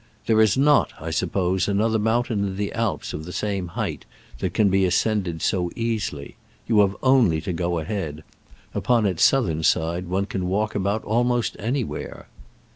There is not, I suppose, another moun tain in the Alps of the same height that can be ascended so easily. You have only to go ahead : upon its southern side one can walk about almost anywhere.